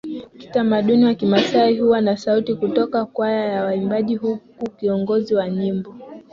kitamaduni wa Kimasai huwa na sauti kutoka kwaya ya waimbaji huku kiongozi wa nyimbo